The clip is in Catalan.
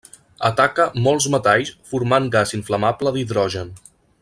Ataca molts metalls formant gas inflamable d'hidrogen.